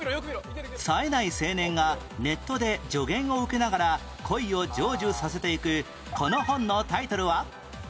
さえない青年がネットで助言を受けながら恋を成就させていくこの本のタイトルは？